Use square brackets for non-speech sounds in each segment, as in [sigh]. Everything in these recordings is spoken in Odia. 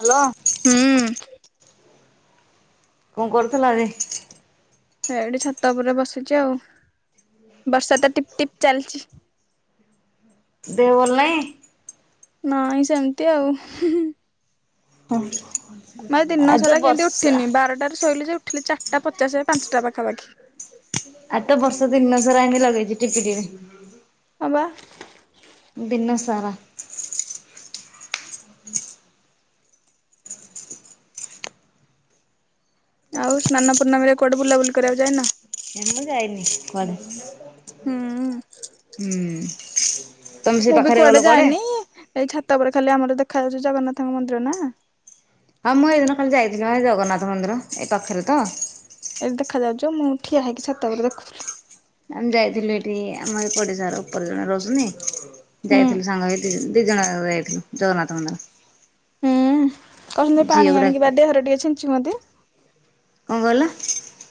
ହ୍ୟାଲୋ। ହୁଁ କଣ କରୁଥିଲ ଆଜି। ଏଇଠି ଛାତ ଉପରେ ବସିଛି ଆଉ ବର୍ଷା ତ ଟିପ ଟିପ ଚାଲିଛି। ଦେହଭଲ ନାଇଁ। ନାଇଁ ସେମିତି ଆଉ। ହଉ। ମାନେ ଦିନ ସାରା କେମିତି ଉଠିନି ବାରଟାରେ ଶୋଇିଲି ଯେ ଉଠିଲି ଚାରିଟା ପଚାଶ ପାଞ୍ଚଟା ପାଖାପାଖି। ଆଜି ତ ବର୍ଷ ଦିନ ସାରା ଏମିତି ଲଗେଇଛି ଟଟିପିଟିପି। ହଁ ବା। ଦିନ ସାରା। ଆଉ ସ୍ନାନ ପୂର୍ଣ୍ମୀରେ କୁଆଡେ ବୁଲାବୁଲି କରିବାକୁ ଯାଇନ। ମୁଁ ଯାଇନି କୁଆଡେ ହୁଁ ହୁଁ। ତମେ ସେ ମୁଁ ବି ପାଖରେ ଗଲ କୁଆଡେ ଯାଇନି ଏଇ ଛାତ ଉପରେ ଖାଲି ଆମର ଦେଖାଉଛି ଜଗନ୍ନାଥଙ୍କ ମନ୍ଦିର ନା। ହଁ ମୁଁ ଏଇଦିନ କାଲି ଯାଇଥିଲି ଜଗନ୍ନାଥ ମନ୍ଦିର ଏଇ ପାଖରେ ତ ଏ ଦେଖାଯାଉଛ ମୁଁ ଠିଆ ହେଇକି ଛାତ ଉପରେ ଦେଖୁଥି ଆମେ ଯାଇଥିଲୁ ଏଠି ଆମ ଏଇ ପଡିଶାର ଉପରେ ଜଣେ ରହୁଛନ୍ତି ହୁଁ ଯାଇଥିଲୁ ସାଙ୍ଗ ହେଇକି ଦିଜଣ ଯାକ ଯାଇଥିଲୁ ଜଗନ୍ନାଥ ମନ୍ଦିର। ହୁଁ କହିଲେ ପାଣି ଝିଅକୁ ଆଣିକି ଡାକିକି। ବା ଦେହରେ ଟିକେ ଛିଞ୍ଚୁ ଅନ୍ତି କଣ କହିଲ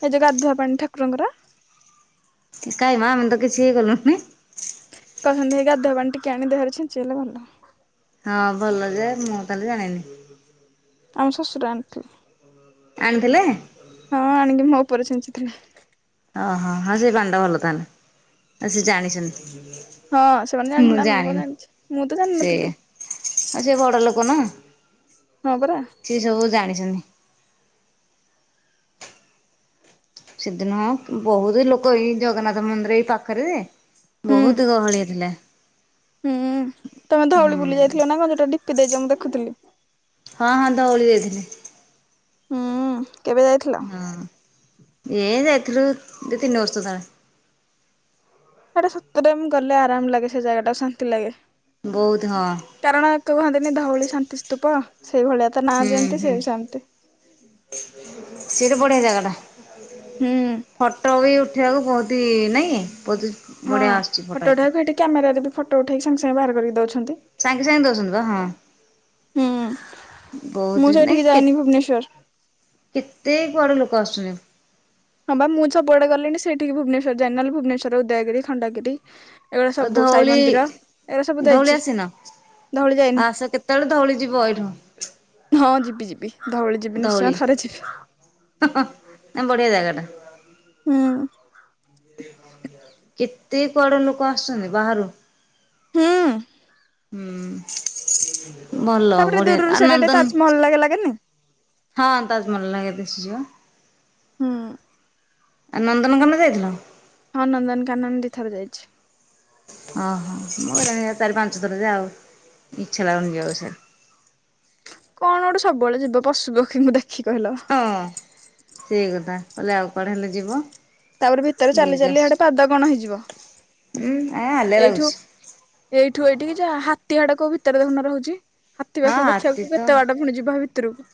ଏ ଯଉ ଗାଧୁଆ ପାଣି ଠାକୁରଙ୍କର କାଇଁ ମା ଆମେ ତ କିଛି ଗଲୁ ନି କହନ୍ତି ହେ ଗାଧୁଆ ପାଣି ଟିକେ ଆଣି ଦେହରେ ଛିଞ୍ଚି ହେଲେ ଭଲ। ହଁ ଭଲ ଯେ ମୁଁ ତାଲେ ଜାଣିନି। ଆମ ଶଶୁର ଆଣିଥିଲେ ଆଣିଥିଲେ ହଁ ଆଣିକି ମୋ ଉପରେ ଛିଞ୍ଚିଥିଲେ [unintelligible] ହଁ ସେମାନେ ଜାଣିଛିନ୍ତି ଆମେ କଣ ଜାଣିଛି ମୁଁ ତ ଜାଣିନଥିଲି। ଆ ଯେ ବଡ ଲୋକ ନା ହଁ ପରା। ସେଏ ସବୁ ଜାଣିଛନ୍ତି। ସେଦିନ ବହୁତୁ ଲୋକ ଏଇ ଜଗନ୍ନାଥ ମନ୍ଦିର ଏଇ ପାଖରେ ଯେ ହୁଁ ବହୁତୁ ଗହଳିଆ ଥିଲା। ହୁଁ ତମେ ହୁଁ ଧଉଳି ବୁଲି ଯାଇଥିଲ ନା ମଝିରେ ଡିପି ଦେଇଛ ମୁଁ ଦେଖୁଥିଲି। ହଁ ହଁ ଧଉଳି ଯାଇଥିଲି। ହୁଁ କେବେ ଯାଇ ହଁ ଏ ଯାଇଥିଲୁ ଦି ତିନି ବର୍ଷ ତଳେ। ହେଟା ସତରେ ମୁଁ ଗଲେ ଆରାମ ଲାଗେ ସେ ଜାଗା ଟା ଶାନ୍ତି ଲାଗେ। ବହୁତ୍ ହଁ। କାରଣ ଏଇ କୁହନ୍ତିନି ଧଉଳି ଶାନ୍ତି ସ୍ତୂପ ସେଇଭଳିଆ ଟା ନାଁ ଯେମିତି ସିଏ ବି ସେମିତି। ସେଟା ବଢିଆ ଜାଗାଟା। ହୁଁ। ଫଟୋ ବି ଉଠେଇବାକୁ ବହୁତି ଇଏ ନାଇଁ। ହଁ ବଢ଼ିଆ ଆସୁଛି ଫଟୋ ଏଠି। ଉଠେଆକୁ ହେଠି କ୍ୟାମେରାରେ ବି ଫଟୋ ଉଠେଇକି ସାଙ୍ଗେ ସାଙ୍ଗେ ବାହାର କରିକି ଦଉଛନ୍ତି। ସାଙ୍ଗେ ସାଙ୍ଗେ ଦଉଛନ୍ତି ବା ହଁ। ହୁଁ ମୁଁ ସେଇଠିକି ଯାଇନି ଭୁବନେଶ୍ଵର କେତେ କୁଆଡୁ ଲୋକ ଆସୁଛନ୍ତି। ହଁ ବା ମୁଁ ସବୁଆଡେ ଗଲିଣି ସେଇଠିକି ଭୁବନେଶ୍ୱର ଯାଇନି। ନହେଲେ ଭୁବନେଶ୍ୱରର ଉଦୟଗିରି, ଖଣ୍ଡଗିରି ଏଗୁଡା ଆ ସବୁ ସାଇ ଧଉଳି, ମନ୍ଦିର ଏଗୁଡା ସବୁ ଯାଇଛି ଧଉଳି ଆସି ନ। ଧଉଳି ଯାଇନି ଆସ କେତେବେଳେ ଧଉଳି ଯିବ ଏଇଠୁ। ହଁ ଯିବି ଯିବି ଧଉଳି ଯିବି ନିଶ୍ଚୟ ଥରେ ଯିବି। ଆବଢିଆ ଜାଗା ଟା। ହୁଁ। କେତେ କୁଆଡୁ ଲୋକ ଆସୁଛନ୍ତି ବାହାରୁ। ହୁଁ। ହୁଁ ଭଲ ତାପରେ ବଢିଆ। ଦୂରରୁ ଆ ସେଇଟା ଟିକେ ନନ୍ଦନ୍ ତାଜମହଲ ଲାଗେ ଲାଗେନି ହଁ ତାଜମହଲ୍ ଲାଗେ ଦିଶୁଚିବା। ହୁଁ। ଆ ନନ୍ଦନକାନ ଯାଇଥିଲ? ହଁ ନନ୍ଦନକାନନ୍ ଦିଥର ଯାଇଛି। ଓହୋ ମୁଁ ଗଲିଣି ଚାରି ପାଞ୍ଚ ଥର ଯେ ଆଉ ଇଚ୍ଛା ଲାଉନି ଯିବାକୁ ସିଆଡେ। କଣ ଗୋଟେ ସବୁବେଳେ ଯିବ ପଶୁ ପକ୍ଷୀଙ୍କୁ ଦେଖି କହିଲ? ହଁ ସେଇ କଥା କହିଲେ ଆଉ କୁଆଡେ ହେଲେ ଯିବ। ତାପରେ ଭିତରେ ଚାଲି ବୁଲିକି ଚାଲି ଆସ ଇଆଡେ ପାଦ କଣ ହେଇଯିବ। ଉଁ ଆଲିଆ ଏଇଠୁ ଲାଗୁଛି ଏଇଠୁ ଏଇଠିକି ଯା। ହାତୀ ହିଆଡେ କୋଉ ଭିତରେ ଦେଖୁନ ରହୁଛି। ହାତୀ ହଁ ପାଖକୁ ଦେଖିଆକୁ କେତେ ବାଟ ପୁଣି ଯିବା। [inaudible]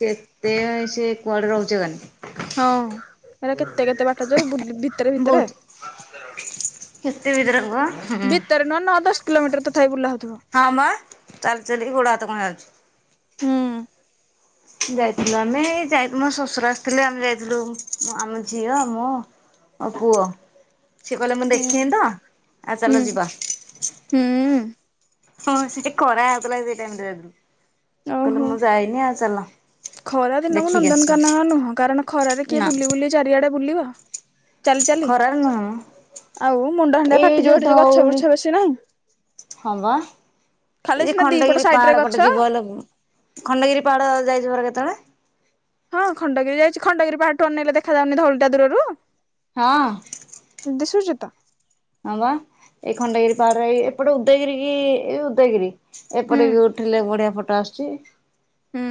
କେତେବେଳେ ସିଏ କୁଆଡ଼େ ରହୁଛି। ହଁ ହେରା କେତେ କେତେ ବାଟ ଯୋଉ ବୁଲି ଭିତରେ ଭିତରେ [inaudible] ନ ନଅ ଦଶ କିଲମିଟର ତଥାପି ବୁଲାହଉଥିବ। ହଁ ମ ଚାଲି ଚାଲିକି ଗୋଡ ହାତ କଣ ହେଇଯାଉଛି। ହୁଁ ଯାଇଥିଲୁ ଆମେ, ଯାଇ ମୋ ଶ୍ୱଶୁର ଆସିଥିଲେ ଆମେ ଯାଇଥିଲୁ ଆମ ଝିଅ ମୁଁ। ଆଉ ପୁଅ, ସିଏ କହିଲା ମୁଁ ଦେଖିନି ତ ଆ ହୁଁ ଚାଲ ଯିବା। ହୁଁ ହଁ ସେଠି ଖରା ହେଉଥଲା ସେ ଟାଇମରେ କହିଲେ ଓହୋ। ମୁଁ ଯାଇନି ଆଉ ଚାଲ। ଖରା ଦିନ କୁ ଦେଖିକି ଆସିବା ନନ୍ଦନକାନ ନୁହଁ। କାରଣ ଖରାରେ କିଏ ନା ବୁଲି ବୁଲି ଚାରିଆଡେ ବୁଲିବ? ଚାଲି ଚାଲି। ଖରାରେ ନୁହଁ ମ ଆଉ ମୁଣ୍ଡ ହାଣ୍ଡିଆ ଏଇ ଫାଟିଯିବ ସେଇଟି ଯୋଉ ଗଛ ଧଉଳି ବୁର୍ଛ ବେଶୀ ନାହିଁ। ହଁ ବା ଖାଲି ଏଇ ସିନା ଦିପଟ ଖଣ୍ଡଗିରି ସାଇଡରେ ପାହାଡ ଗଛ। ପଟେ ଯିବ ହେଲେ ଖଣ୍ଡଗିରି ପାହାଡ଼ ଯାଇଛ ପରା କେତେବେଳେ? ହଁ ଖଣ୍ଡଗିରି ଯାଇଛି। ଖଣ୍ଡଗିରି ପାହାଡଠୁ ଅନେଇଲେ ଦେଖାଯାଉନି ଧଉଳିଟା ଦୂରରୁ? ହଁ। ଦିଶୁଛି ତ। ହଁ ବା, ଏଇ ଖଣ୍ଡଗିରି ପାହାଡର ଏଇ ଏପଟେ ଉଦୟଗିରି କି ଏଇ ଉଦୟଗିରି। ହୁଁ ଏପଟେ ବି ଉଠେଇଲେ ବଢିଆ ଫଟୋ ଆସୁଛି। ହୁଁ,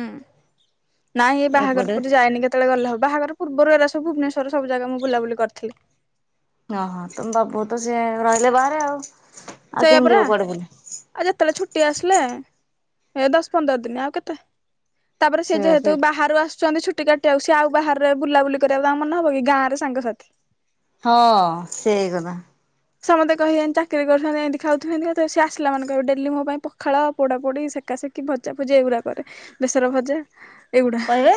ନାଇଁ ଏଇ ବାହାଘର ଏପଟେ ପରେ ଯାଇନି କେ କେତେବେଳେ ଗଲେ ହବ। ବାହାଘର ପୂର୍ବରୁ ଏରା ସବୁ ଭୂବନେଶ୍ୱରର ସବୁ ଜାଗା ମୁଁ ବୁଲାବୁଲି କରିଥିଲି। ଓହୋ ତମ ବାବୁ ତ ସେ ରହିଲେ ବାହାରେ ଆଉ। ଆଉ ସେଇଆ କେମିତି ପରା। ଯିବ କୁଆଡେ ବୁଲି ଆଉ ଯେତେବେଳେ ଛୁଟି ଆସିଲେ ଏ ଦଶ ପନ୍ଦର ଦିନ ଆଉ କେତେ? ତାପରେ ସେ ଯେହେତୁ ବାହାରୁ ଆସୁଛନ୍ତି ଛୁଟି କାଟ ସିଏ ଆଉ ବାହାରେ ବୁଲାବୁଲି କରିବାକୁ ତାଙ୍କ ମନ ହବ କି ଗାଁରେ ସାଙ୍ଗସାଥି ହଁ ସେଇ କଥା। ସିଏ ମତେ କହିବେନି ଚାକିରି କରୁ ଏମିତି ଖାଉଥିବେ, ସେମିତି ଖାଉଥିବ ସିଏ ଆସିଲାମାନେ କହିବେ ଡେଲି ମୋ ପାଇଁ ପଖାଳ ପୋଡାପୋଡ଼ି, ସେକାସେକି, ଭଜାଭଜି ଏଗୁଡ଼ା କରେ। ବେଷର ଭଜା ଏଗୁଡା କହିବେ?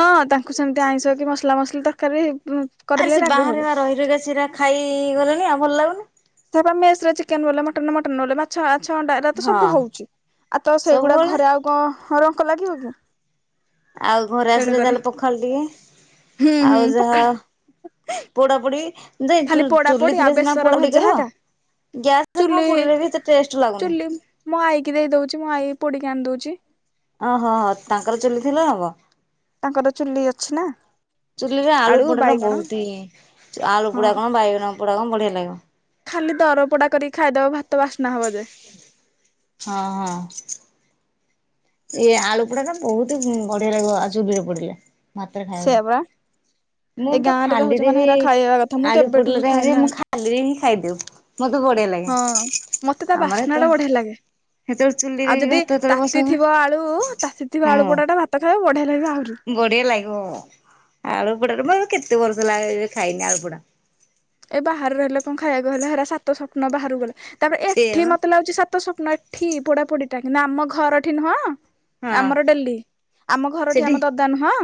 ହଁ ତାଙ୍କୁ ସେମତି ଆଇଁଷ କି ମସଲା ମସଲି ତରକାରୀ ଉଁ ଆରେ ସେ ବାହାରେ ବା ରହି ରହିକା ସେରା ଖାଇଗଲେଣି ଆଉ ଭଲ ଲାଗୁନି ସେ ବା ମେସରେ ଚିକେନ ବାଲା ମଟନ ମଟନ୍ ନହେଲେ ଭା ଆଛ, ମାଛ, ଅଣ୍ଡା ଏରା ତ ହଁ ସବୁ ହୋଉଚି। ଆଉ ତ ସେଇଗୁଡା ସବୁବେଳେ ଘରେ ଆଉ କଣ ରଙ୍କ ଲାଗିବ କି ଆଉ ଘରେ ଆସିଲେ ତେଣୁକରି ଯାହେଲେ ପଖାଲ ଟିକେ ହୁଁ ହୁଁ ଆଉ ଯାହା ପଖାଳ ପୋଡାପୋଡି ଖାଲି ଯେଇଟୁ ପୋଡା ପୋଡି ଚୁଲି ଆଉ ଥିଲେ ସିନା ବେସର ପୋଡା ପୋଡି ଭଜା କରିବ। ହେକା ଗ୍ୟାସ ଧିଏରେ କଣ ଚୁଲି ପଡିଲେ ବି ଏତେ ଟେଷ୍ଟ ଲାଗୁନିଁ? ଚୁଲି ମୋ ଆଈ କିି ଦେଇଦୋଉଚି ମୋ ଆଈ ପୋଡିକି ଆଣି ଦୋଉଚି। ଓହୋ ହଁ ତାଙ୍କର ଚୁଲି ଥିଲେ ହବ। ତାଙ୍କର ଚୁଲି ଅଛି ନା ଚୁଲି ରେ ଆଳୁ ପୋଡା ଟା ବହୁତ ହି ଆଳୁ ହଁ ପୋଡା କଣ ବାଇଗଣ ପୋଡା କଣ ବଢିଆ ଲାଗିବ। ଖାଲି ଦର ପୋଡା କରି ଖାଇଦେବ ଭାତ ବାସ୍ନା ହବ ଯେ। ହଁ ହଁ। ଏଇ ଆଳୁ ପଡା ନା ବହୁତ ବଢିଆ ଲାଗିବ ଆଉ ଚୁଲିରେ ପଡିଲେ ଭାତରେ ଖାଇବାକୁ। ସେଇଆ ପରା ମୁଁ ଏ ତ ଗାଁ ଖାଲି ରହୁଛ ରେ ମାନେ ବି, ହେରା ଖାଇବା କଥା ମୁଁ ଆଳୁ କେବେଠୁ ପୋଡ଼ିଲେ ବି ଟାଇମ୍ ରେ ଖାଇନି ମୁଁ ଆଉ। ଖାଲିରେ ହିଁ ଖାଇଦିଏ। ସେଇଠୁ ବଢିଆ ଲାଗେ ହଁ ମତେ ତା ଆମର ବାସ୍ନା ଟା ତ ବଢିଆ ଲାଗେ ଚୁଲିରେ ଆଉ ଯଦି ଭାତ ଯେତେବେଳେ ବସା ତାତି ହୁଏ ଥିବ ଆଳୁ ତାତି ଥିବା ଆଳୁ ହଁ। ପୋଡ଼ାଟା ଭାତ ଖାଇବ ବଢିଆ ଲାଗିବ ଆହୁରି। ବଢିଆ ଲାଗିବ ଆଳୁ ପୋଡାରେ ମୁଁ ଆଉ କେତେ ବର୍ଷ ହେଲା ଖାଇନି ଆଳୁ ପୋଡା। ଏ ବାହା ରହିଲେ କଣ ଖାଇବାକୁ ଗଲେ ହେରା ସାତ ସପ୍ନ ବାହାରାରୁ ଗଲା ତାପରେ ସେଇଆ ଏଠି ବା ମତେ ଲାଗୁଚି ସା ତ ସପ୍ନ ଏଠି ପୋଡା ପୋଡିଟା କି ନା ଆମ ଘର ଏଠି ନୁହଁ ହଁ ଆମର ଡେଲି ଆମ ଘର ଠି ସେଠି ଆମେ ତ ଦା ନୁହଁ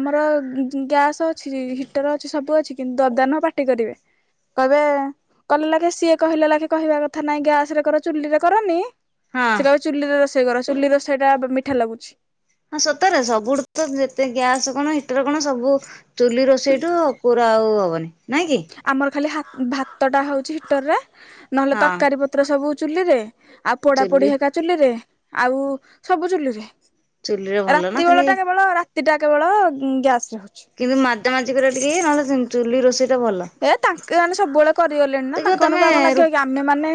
ଆମର ଗ୍ୟାସ୍ ଅଛି ହିଟର ଅଛି ସବୁ ଅଛି କିନ୍ତୁ ଦଦା ନୁହଁ ପା ଟି କରିବେ। କହିବ କଲେ ଲାଗେ ସିଏ କହିଲେ ଲାଗ କହିବା କଥା ନାଇଁ ଗ୍ୟାସ ରେ କର ଚୁଲି ରେ କରନି ହଁ। ସେ କହିବେ ଚୁଲି ରୋଷେଇ କର ଚୁଲି ରୋଷେଇ ଟା ମିଠା ଲାଗୁଚି। ହଁ ସତରେ ସବୁୁ ତ ଯେତେ ଗ୍ୟାସ କଣ ହିଟର କଣ ସବୁ ଚୁଲି ରୋଷେଇ ଠୁ ପୁରା ଆଉ ହେବନି ନାଇଁ କି ଆମର ଖାଲି ହାତ ଭାତଟା ହୋଉଚି ହିଟର ରେ ନହେଲେ ହଁ ତରକାରୀ ପତ୍ର ସବୁ ଚୁଲିରେ। ଆଉ ପୋଡା ଚୁଲି ପୋଡି ହେକା ଚୁଲିରେ ଆଉ ସବୁ ଚୁଲିରେ। ଚୁଲିରେ ଭଲ ନା ରାତି ଖାଲି ବେଳ ଟା କେବଳ ରାତି ଟା କେବଳ ଗ୍ୟାସରେ ହୋଉଚି। କିନ୍ତୁ ମାଜା ମାଜି କରିବା ଟିକେ ଇଏ ନହେଲେ ଚୁଲି ରୋଷେଇ ଟା ଭଲ। ଏ ତାଙ୍କେ ମାନେ ସବୁବେଳେ କରିଗଲେଣି ନା ଦେଖିବ ତାଙ୍କ ତମେ ମାନଙ୍କୁ ଆମ ଲାଗେ କି ଆମେ ମାନେ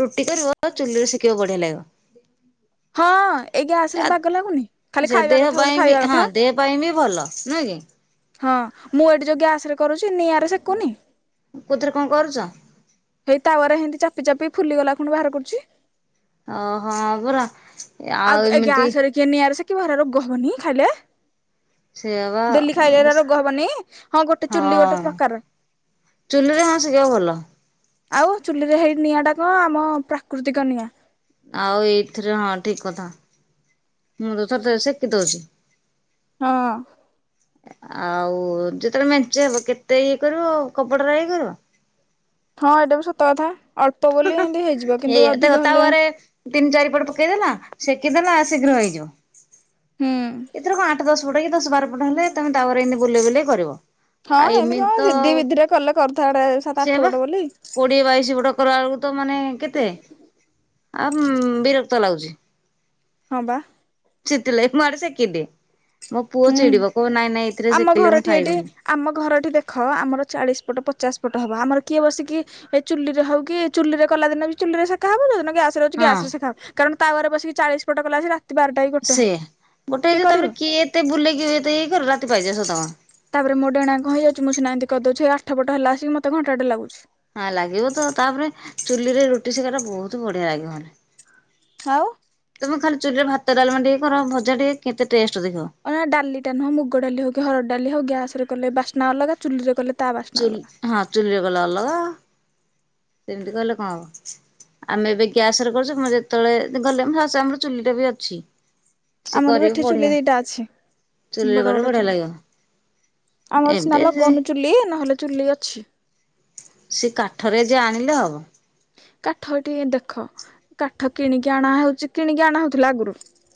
ରୁଟି କରିବ ଚୁଲିରେ ଶଖିବା ବଢିଆ ଲାଗିବ। ହଁ ଏଇ ଗ୍ୟାସ ରେ ବାଗ ଲାଗୁନି ଖାଲି ସେ ଖାଇବା ଦେହ କଥା ପାଇଁ ବୋଲି ବି ଖାଇବା ହଁ କଥା ଦେହ ପାଇଁ ବି ଭଲ ନୁହେଁ କି ହଁ ମୁଁ ଏଇଠି ଯୋଉ ଗ୍ୟାସ ରେ କରୁଚି ନିଆଁରେ ସେକୁନି କୋଥିରେ କଣ କରୁଚ? ହେଇ ତାୱାର ଏ ହେମିତି ଚାପି ଚାପି ଫୁଲିଗଲା ଖୁଣି ବାହାର କରୁଛି। ଓହୋ ପୁର ଆଉ ଆଞା ଆସରେ କିଏ ନିଆର ସେ କି ଭରା ରୋଗ ହବନି ଖାଇଲେ। ସେୟା ବା ଡେଲି ଖାଇଲେ ରୋଗ ହବନି ହଁ ଗୋଟେ ଚୁଲି ହଁ ଗୋଟେ ପ୍ରକାର ଚୁଲିରେ ହଁ ସିଏ ଆଉ ଭଲ। ଆଉ ଚୁଲିରେ ହେଇ ନିଆଁ ଟା କଣ ଆମ ପ୍ରାକୃତିକ ନିଆଁ। ଆଉ ଏଇଥିରେ ହଁ ଠିକ୍ କଥା। ମୁଁ ତ ଥ ଥ ସେକି ଦଉଛି। ହଁ। ଆଉ ଯେତେବେଳେ ମେଞ୍ଚ ହବ କେତେ ଇଏ କରିବ ଆଉ କବଡ ର ଇଏ କରିବ ହଁ ଏଇଟା ବି ସତ କଥା ଅଳ୍ପ ବୋଲି ଏମିତି ହେଇଯିବ କିନ୍ତୁ ଏଇଆ ଦେଖ ଅଧିକ ହେଲେ ତାୱାରେ ତିନି ଚାରିପଟ ପକେଇଦେଲା ସେକିଦଲା ଶୀଘ୍ର ହେଇଯିବ ହୁଁ। ଏଥର କଣ ଆଠ ଦଶ ଯୋଉଟାକି ଦଶ ବାରପଟ ହେଲେ ତମେ ତାଉରେ ଏମିତି ବୁଲେଇ ବୁଲେଇ କରିବ। ହଁ ଆଉ ଏମିତି କଣ ତ ସିଧି ବିଧିରେ କଲେ କରୁଥାଆନ୍ତେ ସାତ ଆଠ ସେ ହେବା ପଟ ବୋଲି କୋଡିଏ ବାଇଶି ଗୋଟ କର ବେଳକୁ ତ ମାନେ କେତେ ଆ ମ ବିରକ୍ତ ଲାଗୁଛି। ହଁ ବା। ଚେତି ଲାଗି ମୁଁ ଆଡେ ସେକିଦିଏ ମୋ ପୁଅ ହୁଁ। ଚିଡିବ କୋଉ ନାଇଁ ନାଇଁ ଏଥିରେ ଆମ ସେକିଲେ ମୁଁ ଘରଟି ଏଇଠି ଖାଇବିନି। ଆମ ଘରଟିି ଦେଖ ଆମର ଚାଳିଶ ଫଟ ପଚାଶ ଫଟ ହବ ଆମର କିଏ ବସିକି ଏ ଚୁଲିରେ ହଉ କିି ଚୁଲିରେ କଲା ଦିନ ବି ଚୁଲିରେ ସୋ ହବ ଯଉ ଦିନ ଗ୍ୟ ସେରା ହଉଚି ହଁ। ଗ୍ୟାସ ରେ ସେକ ହବ କାରଣ ତାୱରେ ବସି ଚାଳିଶ ପଟ କଲା ରାତି ବାର ସେ ଗୋଟେ ହେଇଯ ତାପରେ କିଏ ଏତେ ବୁଲେେଇକ ଏତେ ହେଇ କର ରାତି ପାଇ ଯିବ ସତ ତାପରେ ମୋ ଡେଣାଙ୍କ କହିଇଯାଉଛି ମୁଁନାହାତି କରିଦଉଛି ଆଠଟ ପଟ ହେଲା ଆିକ ମୋତେ ଘଣ୍ଟା ଟେ ଲାଗୁଛି। ହଁ ଲାଗିବ ତ ତାପରେ ଚୁଲିରେ ରୁଟି ସେକାଟା ବହୁତ ବଢିଆ ଲାଗିବ। ଖାଉ ତମେ ଖାଲି ଚୁଲିରେ ଭାତ ଡାମା ଟିକେ କର ଭଜା ଟିକେ କେତେ ଟେଷ୍ଟ ଦେଖିବ। ଅନା ଡାଲିା ନୁହଁ ମୁଗ ଡାଲି ହଉ କି ହରଡ଼ ଡାଲି ହଉ ଗ୍ୟାସ ରେ କଲେ ବାସ୍ନା ଅଲଗ ଚୁଲିରେ କଲେ ତା ବାସ୍ନା ଚୁଲ ଅଲଗା। ହଁ ଚୁଲି ଗଲେ ଅଲଗା ସେମିତି କହିଲେ କଣ ହବ? ଆମେ ଏବେ ଗ୍ୟାସ ରେ କରୁଛୁ ଯେତେବେଳେ ଗଲେ ଆମର ଚୁଲିଟା ବି ଅଛି। ସେ ଆମର ବି କରିବେ ଏଠି ଚୁଲି ବଢିଆ ଦିଇଟା ଅଛି ଚୁଲିରେ ବଡ କଲେ ବଡ଼ ବଢିଆ ଚୁଲି। ଲାଗିବ ଆମର ସିନା ଏବେ ସେ ଲଗନୁ ଚୁଲି ନହେଲେ ଚୁଲି ଅଛି। ସେ କାଠରେ ଯେ ଆଣିଲେ ହବ। କାଠ ଟିକେ ଦେଖ କାଠ କିଣିକି ଆଣା ହଉଛି କିଣିକି ଆଣାହଉଥିଲା ଆଗରୁ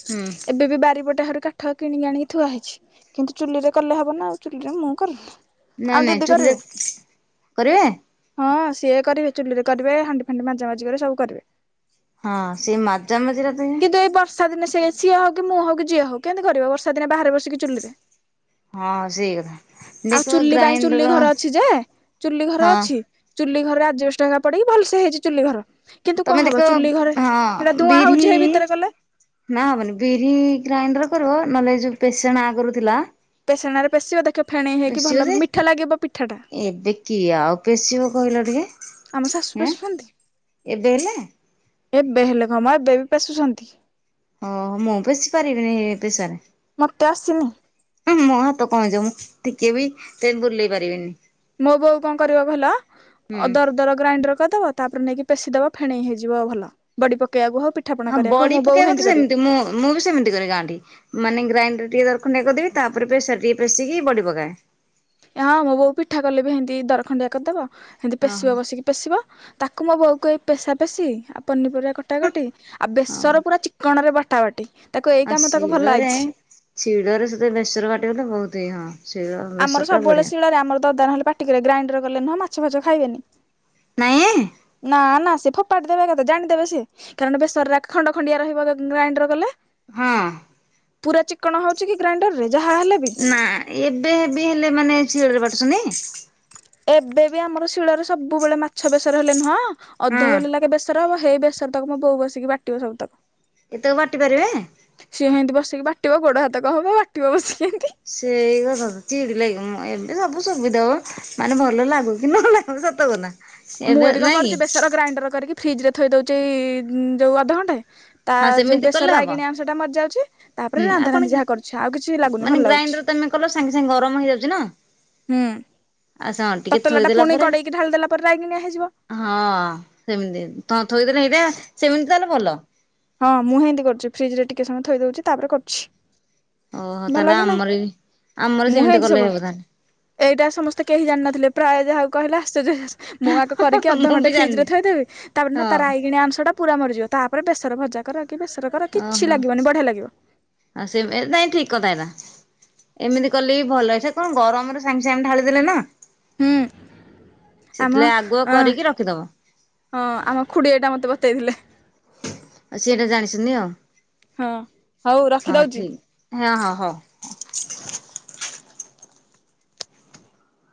ହୁଁ ଏବେ ବି ବାରିପଟେ ହରକା କାଠ କିଣିକି ଆଣିକି ଥୁଆ ହେଇଛି କିନ୍ତୁ ଚୁଲିରେ କଲେ ହବନା ଆଉ ଚୁଲିରେ ମୁଁ କରିବିନି। ନା ନାଇଁ ଚୁଲିରେ କରିବେ। ହଁ ସିଏ କରିବେ ଚୁଲିରେ କରିବେ ହାଣ୍ଡି ଫାଣ୍ଡି ମାଜା ମାଜି କରି ସବୁ କରିବେ। ହଁ ସେ ମାଜା ମଜିଟା କିନ୍ତୁ ଏଇ ବର୍ଷା ଦିନେ ସେ ସିଏ ହଉ କି ମୁଁ ହଉ କି ଯିଏ ହଉ କେମିତିି କରିବ ବର୍ଷା ଦିନେ ବାହାରେ ବସିକି ଚୁଲି ହଁ ସେଇ କଥା ଆଉ ଦେଖ ଚୁଲି ପାଇଁ ଚୁଲି ଗ୍ରାଇଣ୍ଡର ଘର ଅଛି ଯେ ଚୁଲି ଘର ହଁ ଅଛି। ଚୁଲି ଘରରେ ଆଜବେଷ୍ଟ ହେରା ପଡିକି ଭଲସେ ହେଇଛି ଚୁଲି ଘର। କିନ୍ତୁ ତମେ କଣ ଦେଖ ହବ ଚୁଲି ଘରେ ହେଟା ହଁ ଧୂଆଁ ବିରି ହଉଛି ହେଇ ଭିତରେ କଲେ। ନା ହବନି ବିରି ଗ୍ରାଇଣ୍ଡର କରିବ ନହେଲେ ଯୋଉ ପେସାଣ ଆଗରୁ ଥିଲା। ପେସାଣରେ ପେେଶିବ ଦେଖିବ ଫେଣେଇ ହେଇକି ପେଶିବ ଭଲ ଯେ ମିଠା ଲାଗିବ ପିଠା ଟା। ଏବେ କିଏ ଆଉ ପେଶିବ କହିଲ ଟିକେ ଆମ ଶାଶୁ ହେଁ ପେଶୁଛନ୍ତି ଏବେ ହେଲେ। ଏବେ ହେଲେ ଘ ମା ଏବେବି ପେଶୁଛନ୍ତି। ଓହୋ ମୁଁ ପେଶି ପାରିବିନି ହେ ପେଶାରେ। ମୋତେ ଆସିନି। ଉହୁଁ ମୋ ହାତ କଣ ହେଇଯିବ ମୁଁ ଟିକେ ବି ହେଥିରେ ବୁଲେଇ ପାରିବିନି। ମୋ ବୋଉ କଣ କରିବ କହିଲ ହୁଁ ଅଦରଦର ଗ୍ରାଇଣ୍ଡର କରିଦବ ତାପରେ ନେଇକି ପେଶି ଦବ ଫେଣେଇ ହେଇଯିବ ଭଲ ବଡି ପକେଇବାକୁ ହବ ପି ହଁ ବଡି ପକେଇବା କଥା ସେମିତି ମୁଁ ମୁଁ ବି ସେମିତି କରେ ଗାଁଠି ମାନେ ଗ୍ରାଇଣ୍ଡର ଟିକେ ଦରଖଣ୍ଡିଆ କରିଦେବି ତାପରେ ପେସାରେ ଟିକେ ପେସିକି ବଡ଼ି ପକାଏ। ହଁ ମୋ ବୋଉ ପିଠା କଲେ ବି ହେମିତି ଦରଖଣ୍ଡିଆ କରିଦବ ‌ହେମିତି ଓହୋ ପେଶିବ ବସିକି ପେଶିବ ତାକୁ ମୋ ବୋଉକୁ ଏ ପେସା ପେଶି ପନିପରିବା କଟା କଟି ଆଉ ହଉ ବେସର ପୁରା ଚିକ୍କଣରେ ବଟା ବାଟି ତାକୁ ଏଇ ହଁ କାମ ତାକୁ ଭଲ ଶିଳରେ ଆଇଛି। ଶିଳରେ ସେଥିରେ ବେସର ବାଟିଲେ ନା ବହୁତ ଇଏ ହୁଅନ୍ତା। ଆମର ସବୁବେଳେ ଶିଳରେ ଆମର ତ ଦଦା ନହେଲେ ପାଟିିକରିବେ ଗ୍ରାଇଣ୍ଡର କଲେ ନୁହଁ ମାଛ ଫାଛ ଖାଇବେନି। ନାଇଁ ହେ। ନା ନା ସେ ଫୋପାଡିଦେବେ ଏକଥରେ ଜାଣିଦେବେ ସିଏ। କାରଣ ବେସରା ଖଣ୍ଡ ଖଣ୍ଡିଆ ରହିବ ତାକୁ ଗ୍ରାଇଣ୍ଡର କଲେ। ହଁ। ପୁରା ଚିକ୍କଣ ହୋଉଛି କି ଗ୍ରାଇଣ୍ଡରରେ? ନା ଏବେ ବି ହେଲେ ମାନେ ଶିଳରେ ବାଟୁଛନ୍ତି। ଏବେ ବି ଆମର ଶିଳରେ ସବୁବେଳେ ମାଛ ବେସର ହେଲେ ନୁହଁ ହଁ ଅଧ ବେଲ ଲାଖେ ବେସର ହବ ହେଇ ବେସର ତକ ମୋ ବୋଉ ବସିକି ବାଟିବ ସବୁ ତକ। ଏତକ ବାଟି ପାରିବେ? ସିଏ ହେମିତି ବସିକି ବାଟିବ ଗୋଡ ହାତ କଣ ହବ ବାଟିବ ବସିକି ଏମିତି। ସେଇ କଥା ତ ଚିଡି ଲାଗିବ ମା ଏବେ ସବୁ ସୁବିଧା ପା। ମାନେ ଭଲ ଲାଗୁ କି ନଲାଗୁ ସତକଥା। ମୁଁ ଏଠି କଣ କରୁଛି ବେସର ଗ୍ରାଇଣ୍ଡର କରିକି ଫ୍ରିଜରେ ଥୋଇ ଦଉଛି ଯୋଉ ଅଧଘଣ୍ଟେ ତା ହଁ ଯୋଉ ସେମିତି ବେସର କଲେ ହବ ରାଇଗଣିଆ ଅଂଶ ଟା ମରିଯାଉଛି ହୁଁ ତାପରେ ଆଉ ରାନ୍ଧା କଣ ରାନ୍ଧି କି ଯାହା କରୁଛି ଆଉ କିଛି ଲାଗୁନି ମାନେ ଭଲ ଗ୍ରାଇଣ୍ଡର ଲାଗୁଛି। ତମେ କଲ ସାଙ୍ଗେ ସାଙ୍ଗେ ଗରମ ହେଇଯାଉଛି ନା। ହୁଁ ଆଉ ସେ ଟିକେ ତତଲା ଟା ଥୋଇଦେଲା ଫୁଣି ପରେ କଡେଇକି ଢାଳି ଦେଲା ପରେ ରାଇଗଣିଆ ହେଇଯିବ। ହଁ ସେମିତି ତମେ ଥୋଇଦେନେ ହେଇଟା ସେମିତି ତାହେଲେ ଭଲ। ହଁ ମୁଁ ହିନ୍ତି କରୁଛି ଫ୍ରିଜରେ ଟିକେ ସମୟ ଥୋଇ ଦୋଉଛି ତାପରେ କରୁଛି। ଓହୋ ଭଲ ତାହେଲେ କି ନାଇଁ ଆମର ବି ଆମର ମୁଁ ସେମିତି ହେନ୍ତି କଲେ ସବୁବେଳେ ହେବ ତାହେଲେ। ଏଇଟା ସମସ୍ତେ କେହି ଜାଣିନଥିଲେ ପ୍ରାୟ ଯାହାକୁ କହିଲେ ଆଶ୍ଚର୍ଯ୍ୟ ହେଇ ମୁଁ ଆଗ କରିକି ମୁଁ ବି ଅଧଘଣ୍ଟେ ଫ୍ରିଜରେ ଜାଣିନି ଥୋଇଦେବି ତାପରେ ନା ତା ହଁ ରାଇଗଣିଆ ଅଂଶଟା ପୁରା ମରିଯିବ ତାପରେ ବେସ ବେସର ଭଜା କର କି ବେସର କର କିଛି ଓହୋ ଲାଗିବନି ବଢିଆ ଲାଗିବ। ଆଉ ସେ ନାଇଁ ଠିକ୍ କଥା ଏରା। ଏମିତି କଲେ ବି ଭଲ ସେ କଣ ଗରମରେ ସାଙ୍ଗେ ସାଙ୍ଗେ ଢାଳିଦଲେ ନା ହୁଁ ଆମ ସେଥିଲାଗି ଆଗୁଆ କରିକି ରଖିଦବ। ହଁ ଆମ ଖୁଡି ଏଇଟା ମତେ ବତେଇ ଥିଲେ। ଆଉ ସେ ଏଇଟା ଜାଣିଛନ୍ତି ଆଉ ହଁ ହଉ ହଁ ରଖିଦଉଛି। ଠିକ୍ ହଁ ହଁ ହଉ।